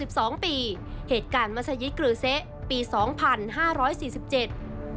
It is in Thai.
สองปีเหตุการณ์มัศยิตกรือเซะปีสองพันห้าร้อยสี่สิบเจ็ด